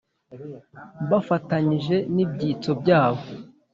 Bafatanyije n ibyitso byabo